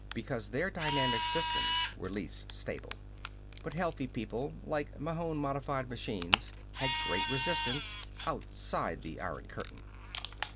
Because their dynamic systems were least stable. But healthy people like Mahon modified machines had great resistance ... outside the Iron Curtain.